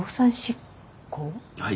はい。